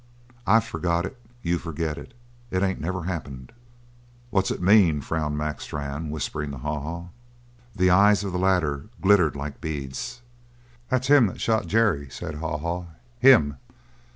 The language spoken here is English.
I've forgot it; you forget it. It ain't never happened." "What's it mean?" frowned Mac Strann, whispering to Haw Haw. The eyes of the latter glittered like beads. "That's him that shot Jerry," said Haw Haw. "Him!"